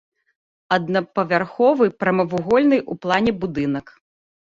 Аднапавярховы прамавугольны ў плане будынак.